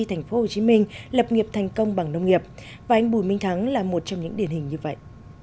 thành phố hồ chí minh lập nghiệp thành công bằng nông nghiệp và anh bùi minh thắng là một trong những điển hình như vậy